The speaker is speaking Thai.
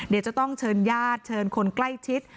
เดี๋ยวจะต้องเชิญญาติเชิญคนใกล้ชิด